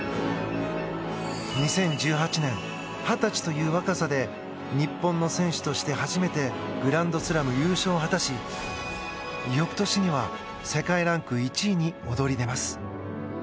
２０１８年、二十歳という若さで日本の選手として初めてグランドスラム優勝を果たし翌年には、世界ランク１位に躍り出ます。